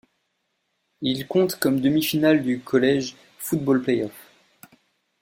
Il compte comme demi-finale du College Football Playoff.